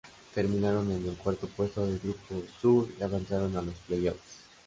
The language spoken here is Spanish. Terminaron en el cuarto puesto del Grupo Sur y avanzaron a los Play-Offs.